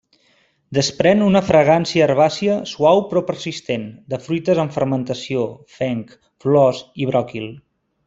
Desprèn una fragància herbàcia, suau però persistent, de fruites en fermentació, fenc, flors i bròquil.